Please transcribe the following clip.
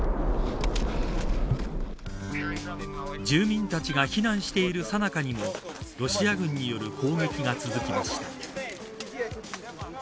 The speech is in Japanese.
住民たちが避難しているさなかにもロシア軍による攻撃が続きました。